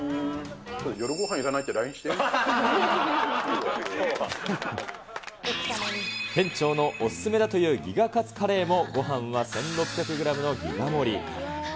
夜ごはんいらないってＬＩＮＥし店長のお勧めだというＧＩＧＡカツカレーも、ごはんは１６００グラムのギガ盛り。